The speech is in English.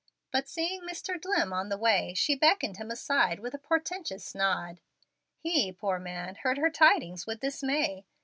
But seeing Mr. Dlimm on the way, she beckoned him aside with a portentous nod. He, poor man, heard her tidings with dismay.